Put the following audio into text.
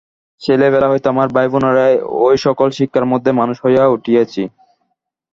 ছেলেবেলা হইতে আমরা ভাইবোনেরা এই-সকল শিক্ষার মধ্যেই মানুষ হইয়া উঠিয়াছি।